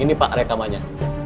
ini pak rekamannya